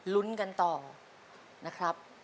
ลุ้นกันต่อนะครับ